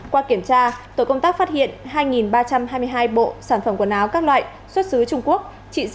qua kiểm tra tổ công tác phát hiện hai ba trăm hai mươi hai bộ sản phẩm quần áo các loại xuất xứ trung quốc trị giá